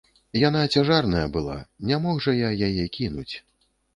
Яна цяжарная была, не мог жа я яе кінуць.